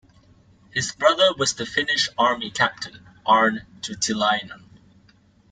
His brother was the Finnish Army Captain Aarne Juutilainen.